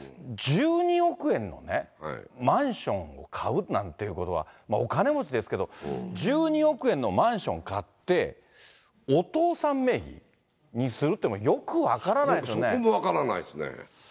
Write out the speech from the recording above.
１２億円のね、マンションを買うなんていうことは、お金持ちですけど、１２億円のマンション買って、お父さん名義にするってのも、そこも分からないですね。